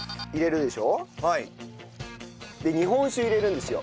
で日本酒入れるんですよ。